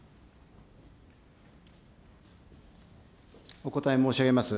お答え申し上げます。